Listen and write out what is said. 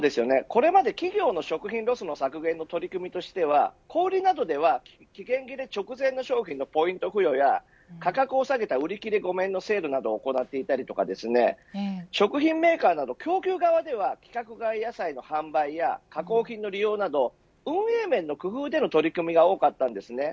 これまで企業の食品ロス削減の取り組みとしては小売りなどでは期限切れ直前のポイント付与や価格を下げた売り切れ御免のセールなどを行ったり食品メーカーなどの供給側では規格外野菜の販売や加工品の利用など運営面の工夫での取り組みが多かったです。